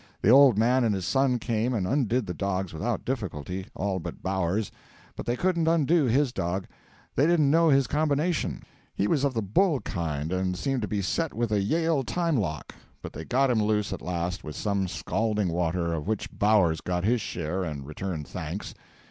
The old man and his son came and undid the dogs without difficulty, all but Bowers's; but they couldn't undo his dog, they didn't know his combination; he was of the bull kind, and seemed to be set with a Yale time lock; but they got him loose at last with some scalding water, of which Bowers got his share and returned thanks.